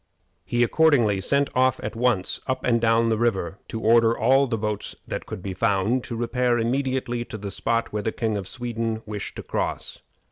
He accordingly sent off at once up and down the river to order all the boats that could be found to repair immediately to the spot where the King of Sweden wished to cross.